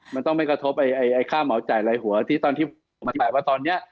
มันต้องไม่กระทบไอ้ค่าเหมาจ่ายลายหัวที่ตอนที่มาจ่ายว่าตอนนี้